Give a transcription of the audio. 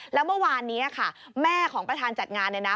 แล้วเมื่อวานนี้ค่ะแม่ของประธานจัดงานเนี่ยนะ